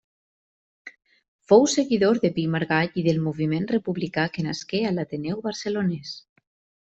Fou seguidor de Pi i Margall i del moviment republicà que nasqué a l'Ateneu Barcelonès.